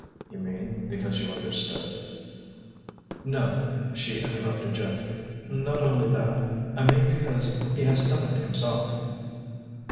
"You mean because you understood " "No," she interrupted gently, "not only that. I mean because he has done it himself."